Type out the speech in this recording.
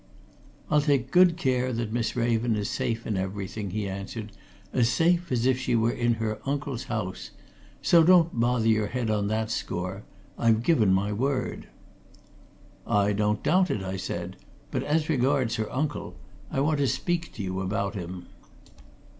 "I'll take good care that Miss Raven is safe in everything," he answered. "As safe as if she were in her uncle's house. So don't bother your head on that score I've given my word." "I don't doubt it," I said. "But as regards her uncle I want to speak to you about him."